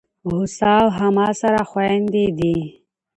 هوسا او هما سره خوندي دي.